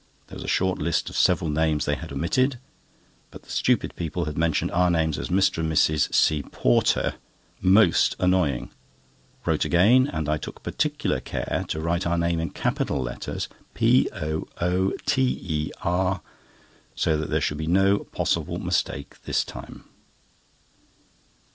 There was a short list of several names they had omitted; but the stupid people had mentioned our names as "Mr. and Mrs. C. Porter." Most annoying! Wrote again and I took particular care to write our name in capital letters, POOTER, so that there should be no possible mistake this time.